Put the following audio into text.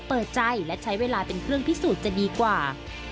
เปิดใจและใช้เวลาเป็นเครื่องพิสูจน์จะดีกว่า